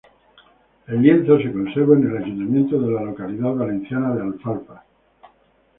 El lienzo se conserva en el Ayuntamiento de la localidad valenciana de Alfafar.